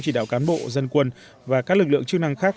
chỉ đạo cán bộ dân quân và các lực lượng chức năng khác